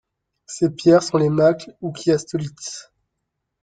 Ces pierres sont les mâcles ou Chiastolites.